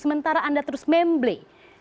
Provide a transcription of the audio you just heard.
sementara anda terus membeli